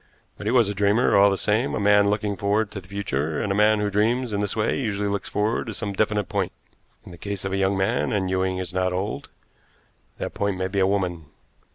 But he was a dreamer, all the same a man looking forward to the future, and a man who dreams in this way usually looks forward to some definite point. In the case of a young man and Ewing is not old that point may be a woman.